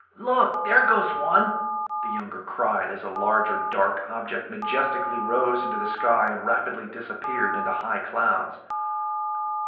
"Look, there goes one," the younger cried as a large dark object majestically rose into the sky and rapidly disappeared into high clouds.